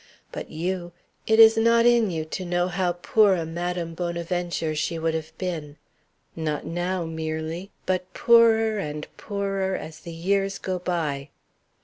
But you it is not in you to know how poor a Madame Bonaventure she would have been; not now merely, but poorer and poorer as the years go by.